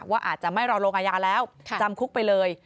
อาจจะไม่รอลงอาญาแล้วจำคุกไปเลย